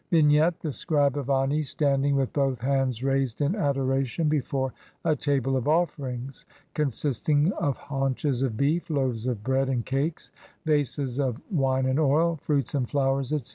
] Vignette : The scribe Ani standing, with both hands raised in adoration, before a table of offerings consisting of haunches of beef, loaves of bread and cakes, vases of wine and oil, fruits and flowers, etc.